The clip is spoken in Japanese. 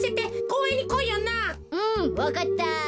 うんわかった。